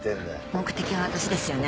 目的は私ですよね？